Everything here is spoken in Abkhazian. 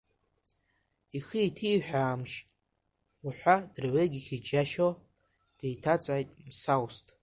Ихы иҭиҳәаамашь ҳәа дырҩегьых иџьашьо, деиҭаҵааит Мсаусҭ.